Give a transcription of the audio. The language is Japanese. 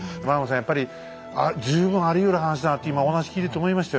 やっぱり十分ありうる話だなって今お話聞いてて思いましたよ。